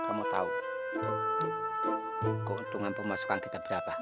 kamu tahu keuntungan pemasukan kita berapa